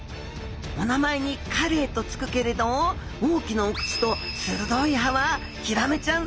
お名前にカレイと付くけれど大きなお口と鋭い歯はヒラメちゃん